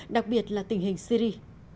đặc biệt là tình hình syri